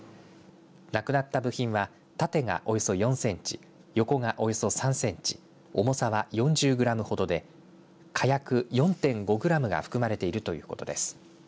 なくなった部品は縦がおよそ４センチ横がおよそ３センチ重さは４０グラムほどで火薬４．５グラムが含まれているということです。